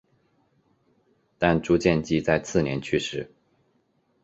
但朱见济在次年去世。